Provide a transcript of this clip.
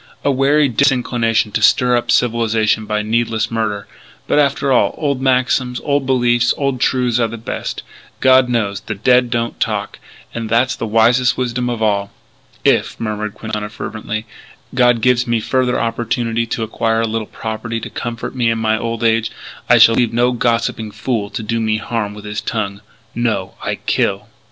A wary disinclination to stir up civilization by needless murder. But after all, old maxims, old beliefs, old truths are the best, God knows. The dead don't talk! And that's the wisest wisdom of all. "If," murmured Quintana fervently, "God gives me further opportunity to acquire a little property to comfort me in my old age, I shall leave no gossiping fool to do me harm with his tongue. No! I kill.